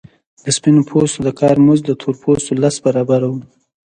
د سپین پوستو د کار مزد د تور پوستو لس برابره وو